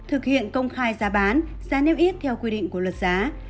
thực hiện công khai giá bán giá nêm ít theo quy định của luật giá